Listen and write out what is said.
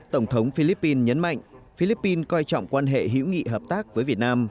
tổng thống philippines nhấn mạnh philippines coi trọng quan hệ hữu nghị hợp tác với việt nam